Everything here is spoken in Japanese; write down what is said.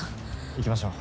行きましょう。